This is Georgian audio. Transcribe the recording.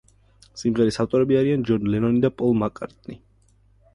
სიმღერის ავტორები არიან ჯონ ლენონი და პოლ მაკ-კარტნი.